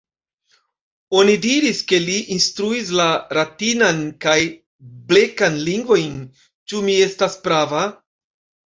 Oni diris ke li instruis la Ratinan kaj Blekan lingvojn. Ĉu mi estas prava?